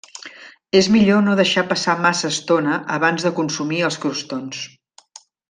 És millor no deixar passar massa estona abans de consumir els crostons.